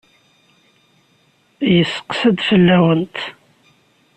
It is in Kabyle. Yesseqsa-d fell-awent.